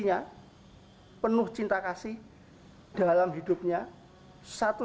anin yang menyebut to realidad di demikian allergi di duniaevery heard by continue satoo